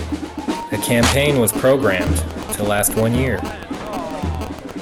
The campaign was programmed to last one year.